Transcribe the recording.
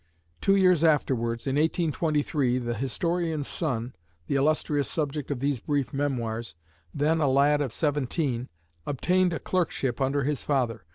Two years afterwards, in 1823, the historian's son, the illustrious subject of these brief memoirs, then a lad of seventeen, obtained a clerkship under his father.